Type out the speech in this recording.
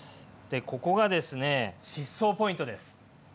ここがですね疾走ポイントです！